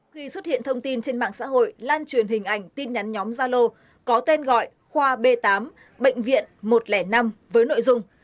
khi xuất hiện thông tin trên mạng xã hội lan truyền hình ảnh tin nhắn nhóm gia lô có tên gọi khoa b tám bệnh viện một trăm linh năm với nội dung